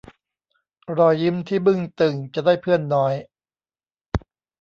รอยยิ้มที่บึ้งตึงจะได้เพื่อนน้อย